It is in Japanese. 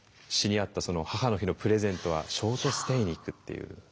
詩にあった母の日のプレゼントはショートステイに行くっていう。